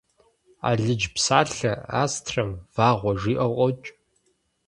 Алыдж псалъэ «астрэм» «вагъуэ» жиӏэу къокӏ.